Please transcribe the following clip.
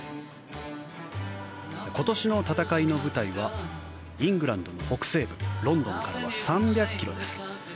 今年の戦いの舞台はイングランドの北西部ロンドンからは３００ｋｍです。